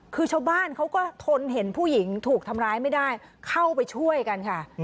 คือชาวบ้านเขาก็ทนเห็นผู้หญิงถูกทำร้ายไม่ได้เข้าไปช่วยกันค่ะ